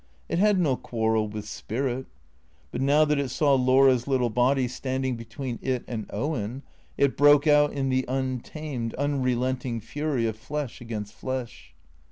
It had no quarrel with spirit. But now that it saw Laura's little body standing between it and Owen, it broke out in the untamed, unrelenting fury of flesh against flesh.